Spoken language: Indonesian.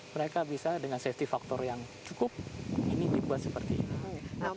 mereka bisa dengan safety faktor yang cukup ini dibuat seperti ini